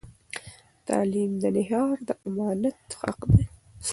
تعلیم د نهار د امانت حق دی.